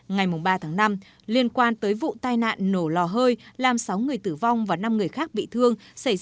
ngày ba tháng năm liên quan tới vụ tai nạn nổ lò hơi làm sáu người tử vong và năm người khác bị thương xảy ra